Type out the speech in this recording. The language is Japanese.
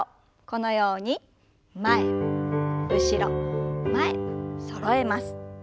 このように前後ろ前そろえます。